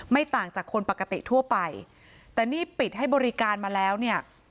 ต่างจากคนปกติทั่วไปแต่นี่ปิดให้บริการมาแล้วเนี่ย